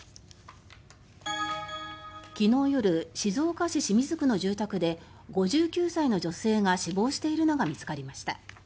昨日夜、静岡市清水区の住宅で５９歳の女性が死亡しているのが見つかりました。